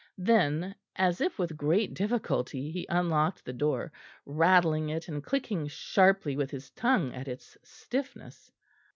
Then, as if with great difficulty, he unlocked the door, rattling it, and clicking sharply with his tongue at its stiffness.